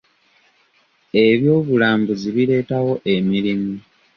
Eby'obulambuzi bireetawo emirimu.